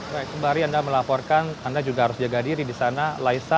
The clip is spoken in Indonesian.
baik sembari anda melaporkan anda juga harus jaga diri di sana laisa